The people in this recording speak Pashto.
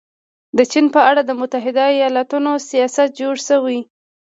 د چین په اړه د متحده ایالتونو سیاست جوړ شوی.